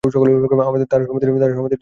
তার সমাধিটি তার বাবার পাশে।